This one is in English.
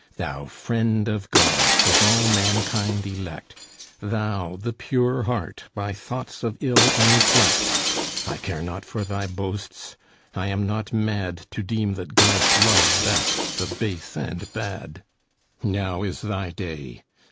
Thou friend of Gods, of all mankind elect; Thou the pure heart, by thoughts of ill unflecked! I care not for thy boasts. I am not mad, To deem that Gods love best the base and bad. Now is thy day!